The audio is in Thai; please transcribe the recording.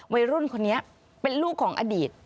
วัยรุ่นคนนี้เป็นลูกของอดีต